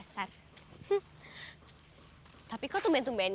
setelah tadi saya jadi si getir ini